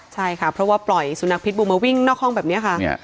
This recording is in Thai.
ใช่ค่ะเพราะว่าปล่อยสุนัขพิษบูมาวิ่งนอกห้องแบบนี้ค่ะ